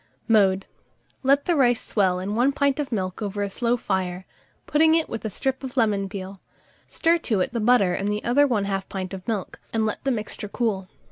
Mode. Let the rice swell in 1 pint of the milk over a slow fire, putting with it a strip of lemon peel; stir to it the butter and the other 1/2 pint of milk, and let the mixture cool.